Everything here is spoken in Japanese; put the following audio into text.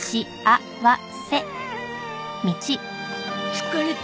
疲れた。